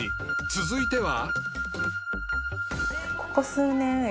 続いては？］